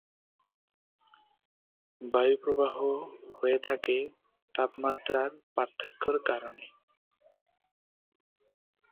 বায়ু প্রবাহ হয়ে থাকে তাপমাত্রার পার্থক্যের কারণে।